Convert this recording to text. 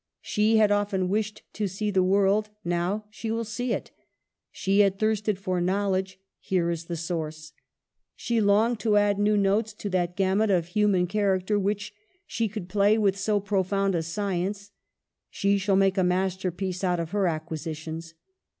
She had often wished to see the world ; now she will see it. She had thirsted for knowledge ; here is the source. She longed to add new notes to that gamut of human char acter which she could play with so profound a science ; she shall make a masterpiece out of her acquisitions.